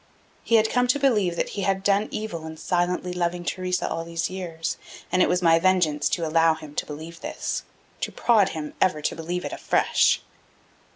He had come to believe that he had done evil in silently loving Theresa all these years, and it was my vengeance to allow him to believe this, to prod him ever to believe it afresh.